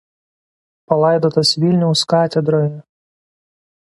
Palaidotas Vilniaus katedroje.